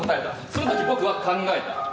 その時、僕は考えた。